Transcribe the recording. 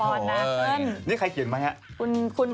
คุณเปิ้ลเขาเขียนแบบนี้อย่างดู